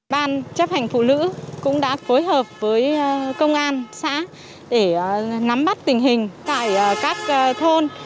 ban chấp hành phụ nữ cũng đã phối hợp với công an xã để nắm bắt tình hình tại các thôn